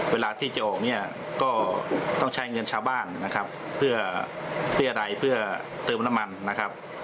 เวลาที่จะออกเนี่ยก็ต้องใช้เงินชาวบ้านนะครับเพื่อเรียรัยเพื่อเติมน้ำมันนะครับ